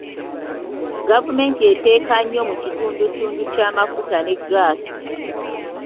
Gavumenti eteeka nnyo mu kitundutundu ky'amafuta ne ggaasi.